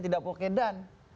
tidak pakai dan